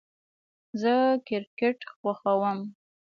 زه کرکټ خوښوم